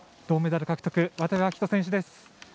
銅メダル獲得渡部暁斗選手です。